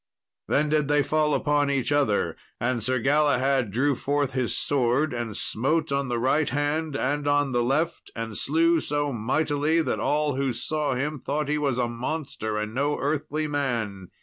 Then did they fall upon each other, and Sir Galahad drew forth his sword, and smote on the right hand and on the left, and slew so mightily that all who saw him thought he was a monster and no earthly man.